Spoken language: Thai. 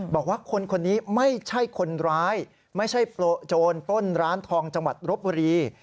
บอกว่าคนคนนี้ไม่ใช่คนร้ายไม่ใช่โจรปล้นร้านทองจังหวัดรบบุรี